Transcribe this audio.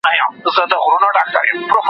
زما يو ستا سترګې پکار دي